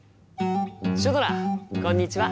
シュドラこんにちは！